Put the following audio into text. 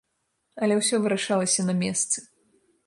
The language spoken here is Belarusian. Але ўсё вырашалася на месцы.